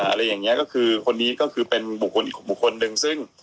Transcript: อะไรอย่างเงี้ยก็คือคนนี้ก็คือเป็นบุคคลอีกบุคคลหนึ่งซึ่ง